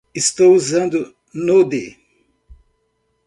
Estou usando Node.